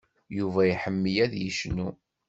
Yuba iḥemmel ad yecnu.